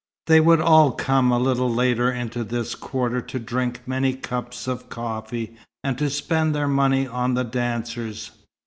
They would all come a little later into this quarter to drink many cups of coffee, and to spend their money on the dancers.